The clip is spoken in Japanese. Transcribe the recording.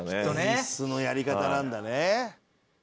演出のやり方なんだね。